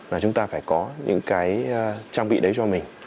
là chúng ta phải có những cái trang bị đấy cho mình